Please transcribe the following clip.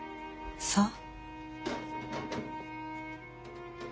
そう。